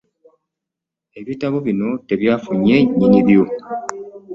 Ebitabo bino tebyafunye nnyinibyo